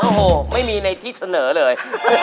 โอ้โหไม่มีในที่เสนอเลย